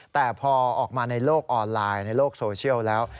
แต่พอออกมาในโลกออนไลน์ในโลกโซเชียลแล้ว